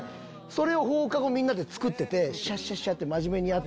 それを放課後みんなで作っててシャシャシャって真面目に。